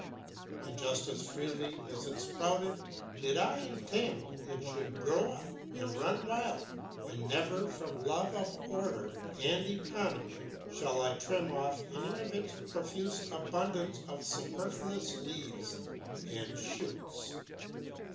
And just as freely as it sprouted did I intend it should grow up and run wild; and never from love of order and economy shall I trim off any of its profuse abundance of superfluous leaves and shoots.